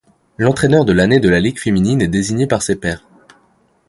L’entraîneur de l'année de la Ligue féminine est désigné par ses pairs.